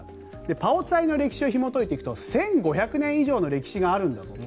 パオツァイの歴史をひも解いていくと１５００年以上の歴史があるんだぞと。